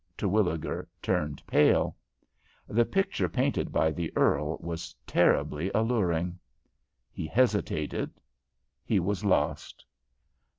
Terwilliger turned pale. The picture painted by the earl was terribly alluring. He hesitated. He was lost.